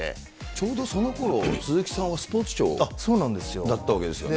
ちょうどそのころ、鈴木さんはスポーツ庁だったわけですよね。